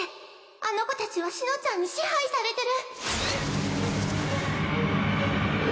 あの子たちは紫乃ちゃんに支配されてる！